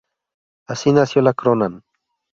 Así nació la Kronan.